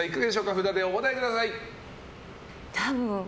札でお答えください。